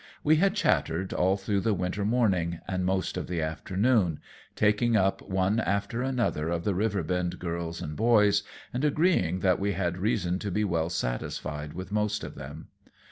We had chattered all through the winter morning and most of the afternoon, taking up one after another of the Riverbend girls and boys, and agreeing that we had reason to be well satisfied with most of them.